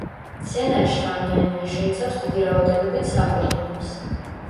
მცენარე შხამიანია, შეიცავს დიდი რაოდენობით საპონინებს.